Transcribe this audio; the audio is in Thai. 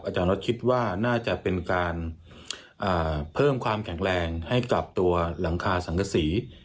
รถคิดว่าน่าจะเป็นการเพิ่มความแข็งแรงให้กับตัวหลังคาสังกษี